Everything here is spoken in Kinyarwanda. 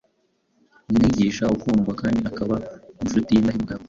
umwigishwa ukundwa kandi akaba incuti y’indahemuka ya Pawulo